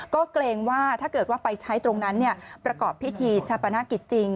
ก็เกรงว่าถ้าเกิดว่าไปใช้ตรงนั้นประกอบพิธีชาปนกิจจริง